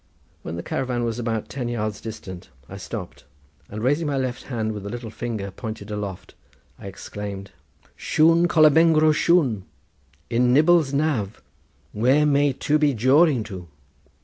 When the caravan was about ten yards distant I stopped, and, raising my left hand with the little finger pointed aloft, I exclaimed: "Shoon, Kaulomengro, shoon! In Dibbel's nav, where may tu be jawing to?"